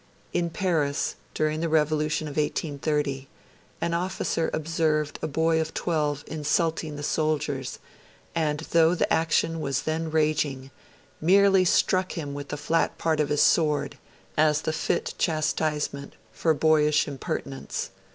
In Paris, during the Revolution of 1830, an officer observed a boy of twelve insulting the soldiers, and 'though the action was then raging, merely struck him with the flat part of his sword, as the fit chastisement for boyish impertinence.